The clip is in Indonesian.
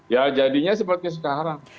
ya jadinya seperti sekarang